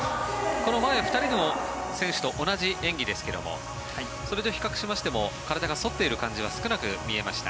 この前２人の選手と同じ演技ですけどもそれと比較しても体が反っている感じは少なく見えました。